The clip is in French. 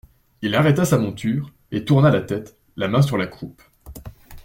Il arrêta sa monture, et tourna la tête, la main sur la croupe.